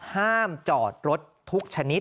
ห้ามจอดรถทุกชนิด